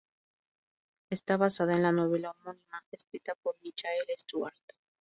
Está basada en la novela homónima escrita por Michael Stewart.